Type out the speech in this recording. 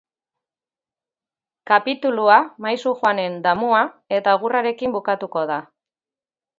Kapitulua Maisu Juanen damua eta agurrarekin bukatuko da.